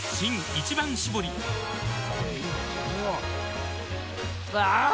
「一番搾り」あぁー！